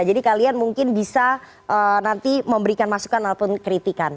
jadi kalian mungkin bisa nanti memberikan masukan ataupun kritikan